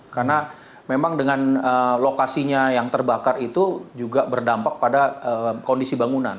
karena memang dengan lokasinya yang terbakar itu juga berdampak pada kondisi bangunan